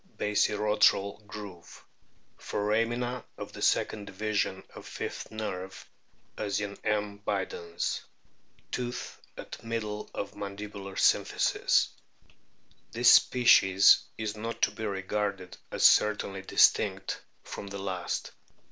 t. ii. 2 i8 A BOOK OF WHALES basirostral groove ; foramina of second division of o fifth nerve as in M. bidens. Tooth at middle of mandibular symphysis. This species is not to be regarded as certainly distinct from the last.